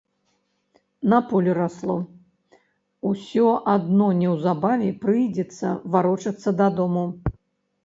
На полі расло, усё адно неўзабаве прыйдзецца варочацца дадому.